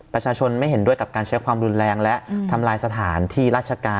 ประชาชนไม่เห็นด้วยกับการใช้ความรุนแรงและทำลายสถานที่ราชการ